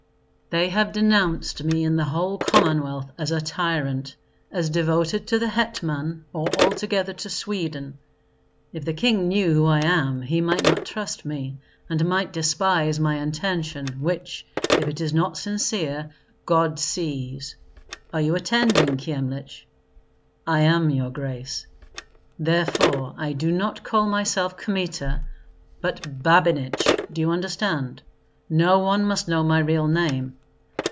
"They have denounced me in the whole Commonwealth as a tyrant, as devoted to the hetman, or altogether to Sweden. If the king knew who I am, he might not trust me, and might despise my intention, which, if it is not sincere, God sees! Are you attending, Kyemlich?" "I am, your grace." "Therefore I do not call myself Kmita, but Babinich, do you understand? No one must know my real name.